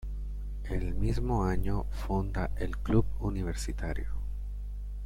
El mismo año funda el Club Universitario.